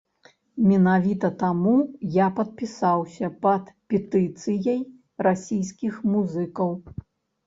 Менавіта таму я падпісаўся пад петыцыяй расійскіх музыкаў.